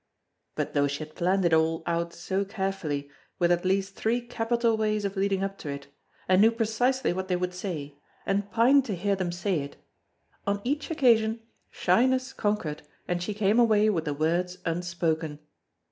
But though she had planned it all out so carefully, with at least three capital ways of leading up to it, and knew precisely what they would say, and pined to hear them say it, on each occasion shyness conquered and she came away with the words unspoken.